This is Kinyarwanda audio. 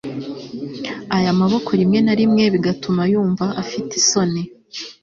aya maboko rimwe na rimwe bigatuma yumva afite isoni